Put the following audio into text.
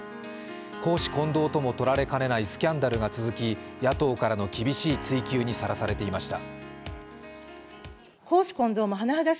公私混同とも取られかねないスキャンダルが続き野党からの厳しい追及にさらされていました。